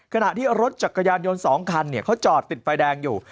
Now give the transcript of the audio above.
ขณะที่รถจักรยานยนต์๒คันเขาจอดติดไฟแดงอยู่